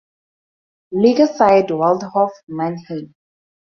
Liga side Waldhof Mannheim.